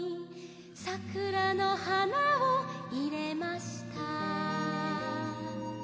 「桜の花を入れました」